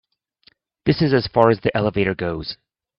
This is as far as the elevator goes.